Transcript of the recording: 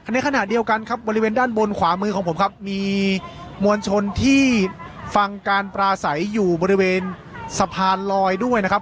ในขณะเดียวกันครับบริเวณด้านบนขวามือของผมครับมีมวลชนที่ฟังการปราศัยอยู่บริเวณสะพานลอยด้วยนะครับ